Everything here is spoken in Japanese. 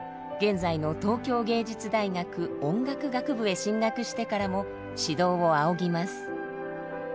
現在の東京藝術大学音楽学部へ進学してからも指導を仰ぎます。